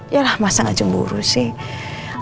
yalah masa gak cemburu sih